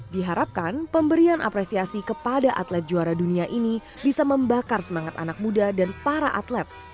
diharapkan pemberian apresiasi kepada atlet juara dunia ini bisa membakar semangat anak muda dan para atlet